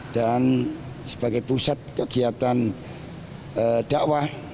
dan sebagai pusat kegiatan dakwah